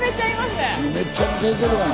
めっちゃめちゃいてるがな。